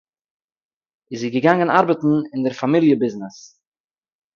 איז זי געגאַנגען אַרבעטן אין דער פאַמיליע ביזנעס